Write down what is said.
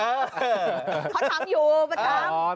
เขาทำอยู่ประจำ